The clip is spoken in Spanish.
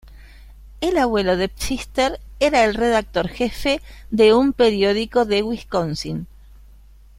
El abuelo de Pfister era el redactor jefe de un periódico de Wisconsin.